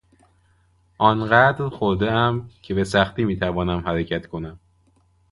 آنقدر خوردهام که به سختی میتوانم حرکت کنم.